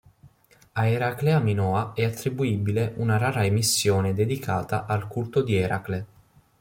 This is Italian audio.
A Eraclea Minoa è attribuibile una rara emissione dedicata al culto di Eracle.